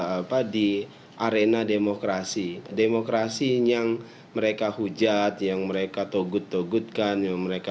apa di arena demokrasi demokrasi yang mereka hujat yang mereka togut togutkan yang mereka